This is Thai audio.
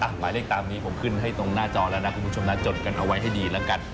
หมายเลขตามนี้ผมขึ้นให้ตรงหน้าจอแล้วนะคุณผู้ชมนะจดกันเอาไว้ให้ดีแล้วกัน